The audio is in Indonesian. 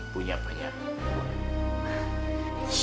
punya banyak uang